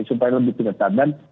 supaya lebih tidak terkadang